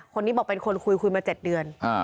คนนี้บอกเป็นคนคุยมา๗เดือน